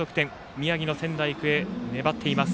宮城の仙台育英、粘っています。